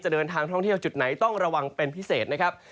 เดินทางท่องเที่ยวจุดไหนต้องระวังเป็นพิเศษนะครับ